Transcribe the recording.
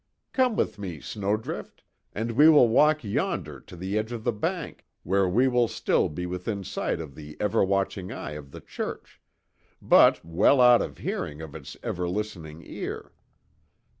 Come with me, Snowdrift, and we will walk yonder to the edge of the bank, where we will still be within sight of the ever watching eye of the church, but well out of hearing of its ever listening ear.